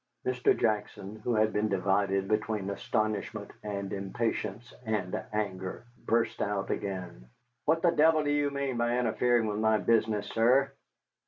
Mr. Jackson, who had been divided between astonishment and impatience and anger, burst out again. "What the devil do you mean by interfering with my business, sir?"